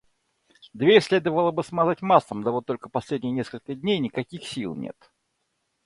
Дверь следовало бы смазать маслом, да вот только последние несколько дней никаких сил нет.